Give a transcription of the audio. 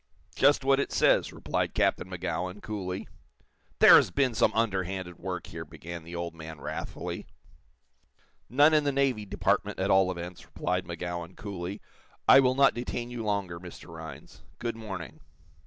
"Just what it says," replied Captain Magowan, coolly. "There has been some underhanded work here!" began the old man, wrathfully. "None in the Navy Department, at all events," replied Magowan, coolly. "I will not detain you longer, Mr. Rhinds. Good morning."